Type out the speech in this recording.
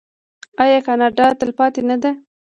آیا کاناډا تلپاتې نه ده؟